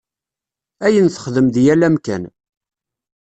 Ayen texdem deg yal amkan.